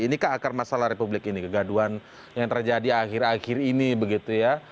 ini ke akar masalah republik ini kegaduan yang terjadi akhir akhir ini begitu ya